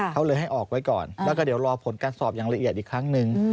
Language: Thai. เขาเลยให้ออกไว้ก่อนแล้วก็เดี๋ยวรอผลการสอบอย่างละเอียดอีกครั้งหนึ่ง